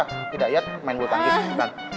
hidayat main butang gitu